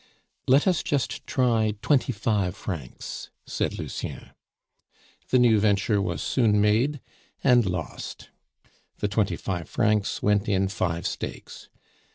"Let us just try twenty five francs," said Lucien. The new venture was soon made and lost. The twenty five francs went in five stakes.